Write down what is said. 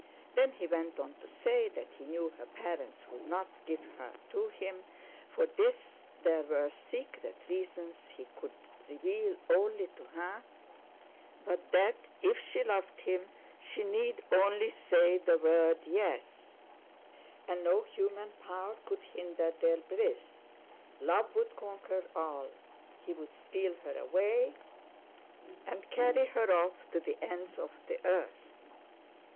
Then he went on to say that he knew her parents would not give her to him—for this there were secret reasons he could reveal only to her—but that if she loved him she need only say the word yes, and no human power could hinder their bliss. Love would conquer all. He would steal her away and carry her off to the ends of the earth.